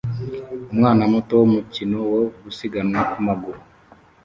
Umwana muto wumukino wo gusiganwa ku maguru